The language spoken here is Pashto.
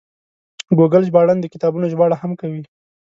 ګوګل ژباړن د کتابونو ژباړه هم کوي.